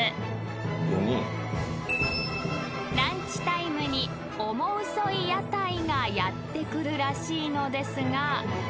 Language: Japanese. ［ランチタイムにオモウソい屋台がやって来るらしいのですが］